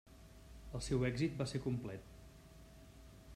El seu èxit va ser complet.